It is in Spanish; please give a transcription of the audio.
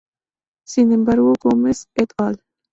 Sin embargo, Gómez et al.